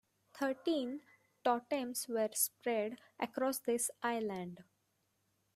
Thirteen totems were spread across this island.